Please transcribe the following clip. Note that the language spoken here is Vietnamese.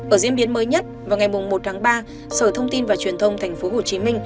ở diễn biến mới nhất vào ngày một tháng ba sở thông tin và truyền thông tp hcm